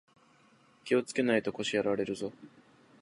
気をつけないと腰やられるぞ